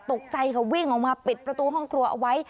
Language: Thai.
ตกใจค่ะวิ่งออกมาปิดประตูห้องครัวเอาไว้